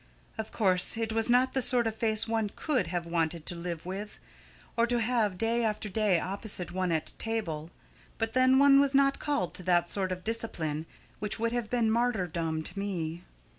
Of course it was not the sort of face one COULD have wanted to live with, or to have day after day opposite one at table, but then one was not called to that sort of discipline, which would have been martyrdom to me.